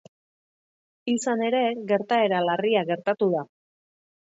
Izan ere, gertaera larria gertatu da.